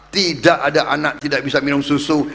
tidak ada anak tidak bisa minum susu